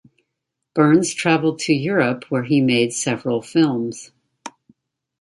Byrnes travelled to Europe where he made several films.